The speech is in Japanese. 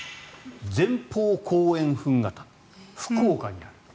前方後円墳形、福岡にある。